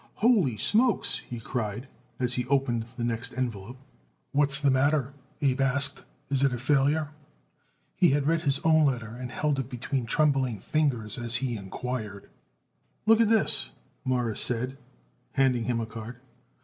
"Holy smokes!" he cried, as he opened the next envelope. "What's the matter?" Abe asked. "Is it a failure?" He had read his own letter and held it between trembling fingers as he inquired. "Look at this," Morris said, handing him a card.